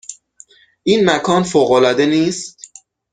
این مکان فوق العاده نیست؟